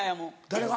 誰が？